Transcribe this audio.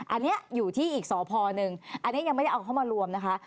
อันนี้อยู่ที่อีกสพนึงอันนี้ยังไม่ได้เอาเข้ามารวมนะคะ